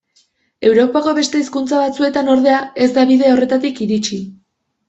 Europako beste hizkuntza batzuetan, ordea, ez da bide horretatik iritsi.